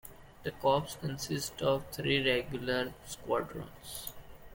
The Corps consist of three regular squadrons.